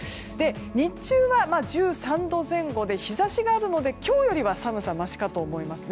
日中は１３度前後で日差しがあるので今日よりは寒さがマシかと思います。